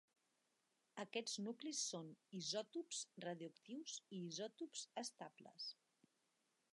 Aquests núclids són isòtops radioactius i isòtops estables.